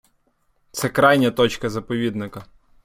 Це крайня точка заповідника.